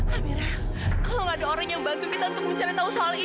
kalau gak ada orang yang bantu kita untuk mencari tahu soal ini